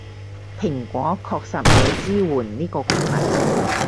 蘋果確實冇支援呢個功能